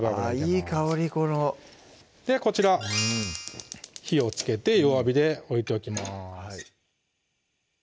いい香りこのではこちら火をつけて弱火で置いておきます